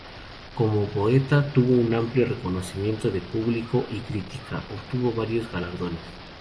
Como poeta tuvo en amplio reconocimiento de público y crítica, y obtuvo varios galardones.